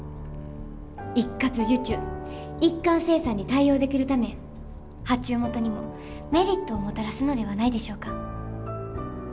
一括受注一貫生産に対応できるため発注元にもメリットをもたらすのではないでしょうか？